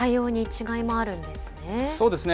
そうですね。